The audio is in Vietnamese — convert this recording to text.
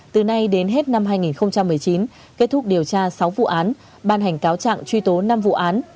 từ nay đến hết năm hai nghìn một mươi chín kết thúc điều tra sáu vụ án ban hành cáo trạng truy tố năm vụ án